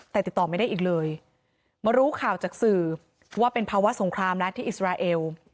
แต่ติดต่อไม่ได้อีกเลยมารู้ข่าวจากสื่อว่าเป็นภาวะสงครามแล้วที่อิสราเอล